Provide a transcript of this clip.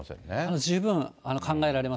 十分考えられます。